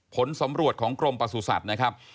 ผลสำรวจของกรมประสุทธิ์นะครับ